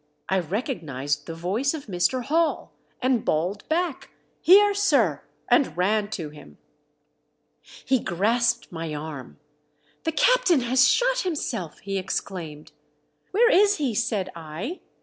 I recognized the voice of Mr. Hall, and bawled back, "Here, sir!" and ran to him. He grasped my arm. "The captain has shot himself!" he exclaimed. "Where is he?" said I.